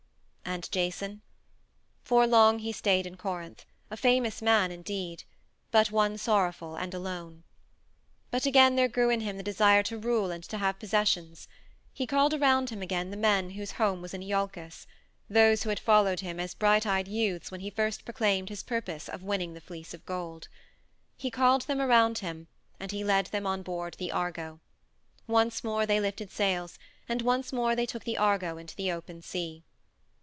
And Jason? For long he stayed in Corinth, a famous man indeed, but one sorrowful and alone. But again there grew in him the desire to rule and to have possessions. He called around him again the men whose home was in Iolcus those who had followed him as bright eyed youths when he first proclaimed his purpose of winning the Fleece of Gold. He called them around him, and he led them on board the Argo. Once more they lifted sails, and once more they took the Argo into the open sea.